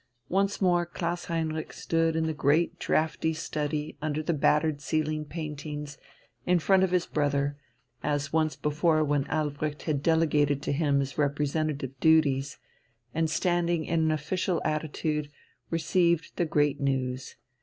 Once more Klaus Heinrich stood in the great, draughty study under the battered ceiling paintings, in front of his brother, as once before when Albrecht had delegated to him his representative duties, and standing in an official attitude received the great news.